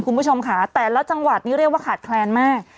คุณผู้ชมค่ะแต่ละจังหวัดนี่เรียกว่าขาดแคลนมาก